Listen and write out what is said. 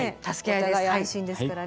お互い安心ですからね。